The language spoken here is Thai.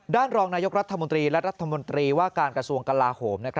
รองนายกรัฐมนตรีและรัฐมนตรีว่าการกระทรวงกลาโหม